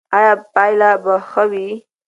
ایا پایله به ښه وي؟